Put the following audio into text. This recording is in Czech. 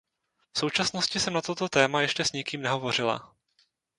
V současnosti jsem na toto téma ještě s nikým nehovořila.